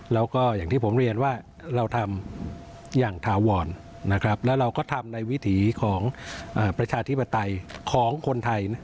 แล้วก็อย่างที่ผมเรียนว่าเราทำอย่างถาวรแล้วเราก็ทำในวิถีของประชาธิปไตยของคนไทย